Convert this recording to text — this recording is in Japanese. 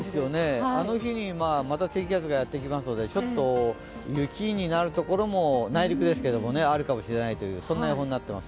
あの日にまた低気圧がやってくるので雪になる所も内陸ですけど、あるかもしれないという予想になってます。